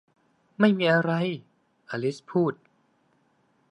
ไม่มีอะไร อลิซพูด